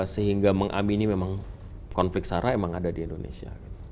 sehingga mengamini konflik sarah memang ada di indonesia